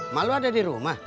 mak lu ada di rumah